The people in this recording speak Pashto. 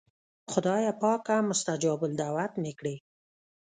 خدایه پاکه مستجاب الدعوات مې کړې.